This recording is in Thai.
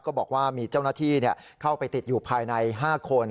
บอกว่ามีเจ้าหน้าที่เข้าไปติดอยู่ภายใน๕คน